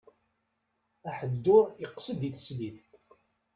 Aḥeddur iqsed i teslit.